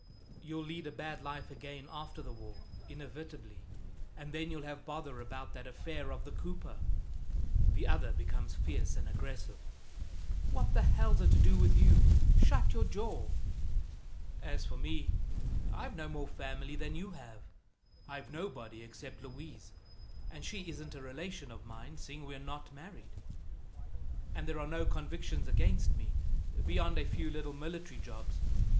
"You'll lead a bad life again after the war, inevitably; and then you'll have bother about that affair of the cooper." The other becomes fierce and aggressive. "What the hell's it to do with you? Shut your jaw!" "As for me, I've no more family than you have. I've nobody, except Louise and she isn't a relation of mine, seeing we're not married. And there are no convictions against me, beyond a few little military jobs.